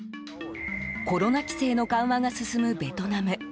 コロナ規制の緩和が進むベトナム。